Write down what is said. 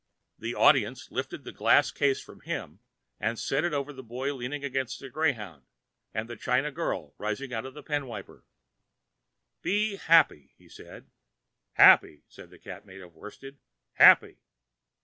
The Audience lifted the glass case from him and set it over the Boy leaning against a greyhound and the China girl rising out of a pen wiper. "Be happy!" said he. "Happy!" said the Cat made of worsted. "Happy!"